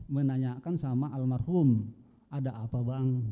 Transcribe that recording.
menanyakan sama almarhum ada apa bang